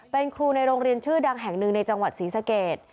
เป็นครูในโรงเรียนชื่อดังแห่งหนึ่งในจังหวัดศรีสเกต